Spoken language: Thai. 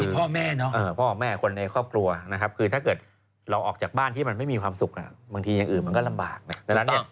พ่อแม่เนาะพ่อแม่คนในครอบครัวนะครับคือถ้าเกิดเราออกจากบ้านที่มันไม่มีความสุขบางทีอย่างอื่นมันก็ลำบากนะดังนั้นเนี่ย